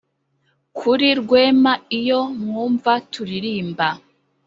kuri rwema iyo mwumva tulirimba,